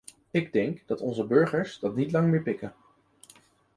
Ik denk dat onze burgers dat niet lang meer pikken.